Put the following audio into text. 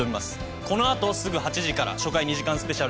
このあとすぐ８時から初回２時間スペシャルです。